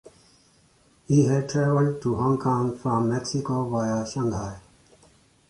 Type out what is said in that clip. He had travelled to Hong Kong from Mexico via Shanghai.